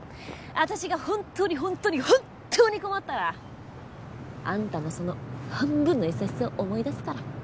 私が本当に本当に本っ当に困ったらあんたのその半分の優しさを思い出すから。